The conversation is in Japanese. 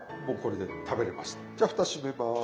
じゃあふた閉めます。